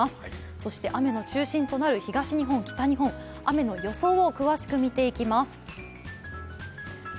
そして雨の中心となる東日本、北日本雨の予想を詳しく見ていきます。